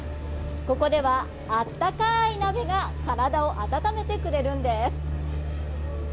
ここでは温かい鍋が体を温めてくれるんです。